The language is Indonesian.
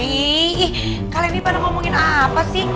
hei ih kalian ini pada ngomongin apa sih